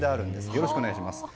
よろしくお願いします。